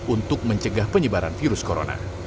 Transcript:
untuk mencegah penyebaran virus corona